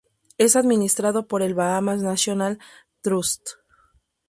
Es administrado por el Bahamas National Trust.